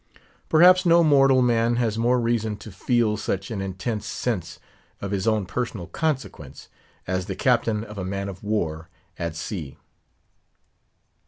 Perhaps no mortal man has more reason to feel such an intense sense of his own personal consequence, as the captain of a man of war at sea.